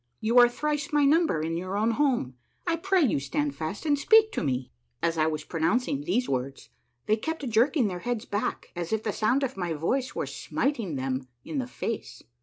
You are thrice my number and in your own home. I pray you stand fast and speak to me !" As I was pronouncing these words, they kept jerking their heads back as if the sound of my voice were smiting them in the face.